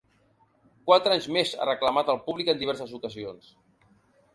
Quatre anys més, ha reclamat el públic en diverses ocasions.